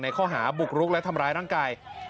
ข้อหาบุกรุกและทำร้ายร่างกาย